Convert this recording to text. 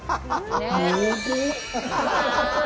濃厚。